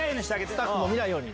スタッフも見ないように。